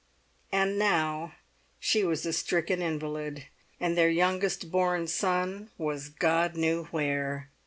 And now she was a stricken invalid, and their youngest born was God knew where!